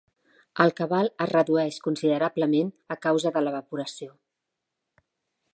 El cabal es reduïx considerablement a causa de l'evaporació.